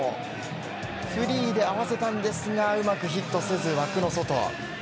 フリーで合わせたんですが、うまくヒットせず、枠の外。